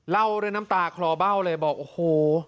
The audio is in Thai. เล่าด้วยน้ำตาคลอเบ้าเลยบอกโอ้โห